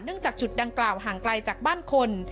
จากจุดดังกล่าวห่างไกลจากบ้านคน